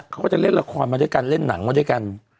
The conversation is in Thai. เขาก็จะเล่นละครมาด้วยกันเล่นหนังมาด้วยกัน